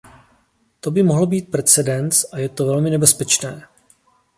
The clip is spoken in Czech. To by mohl být precedens a je to velmi nebezpečné.